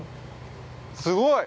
◆すごい！